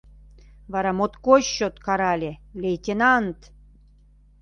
— Вара моткоч чот карале: — Лейтенант!